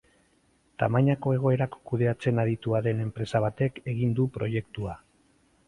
Tamainako egoerak kudeatzen aditua den enpresa batek egin du proiektua.